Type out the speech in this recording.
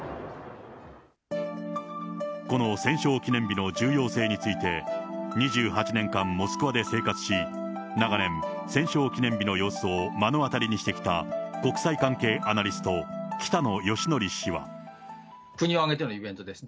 この戦勝記念日の重要性について、２８年間、モスクワで生活し、長年戦勝記念日の様子を目の当たりにしてきた国際関係アナリスト、国を挙げてのイベントです。